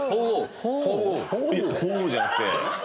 鳳凰じゃなくて。